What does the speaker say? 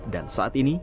dan saat ini